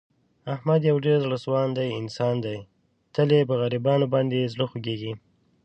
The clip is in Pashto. احمد یو ډېر زړه سواندی انسان دی. تل یې په غریبانو باندې زړه خوګېږي.